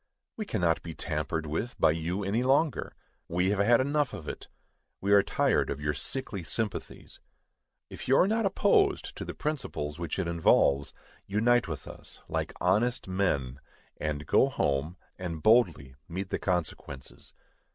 We cannot be tampered with by you any longer. We have had enough of it. We are tired of your sickly sympathies. If you are not opposed to the principles which it involves, unite with us, like honest men, and go home, and boldly meet the consequences.